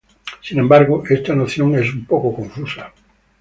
Sin embargo, esta noción es un poco confusa.